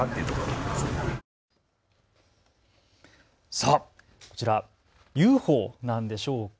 さあ、こちら、ＵＦＯなんでしょうか。